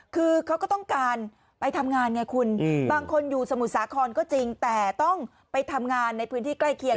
คือเขาก็ต้องการไปทำงานไงคุณบางคนอยู่สมุทรสาครก็จริงแต่ต้องไปทำงานในพื้นที่ใกล้เคียง